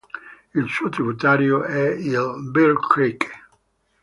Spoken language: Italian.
Un suo tributario è il "Bear Creek".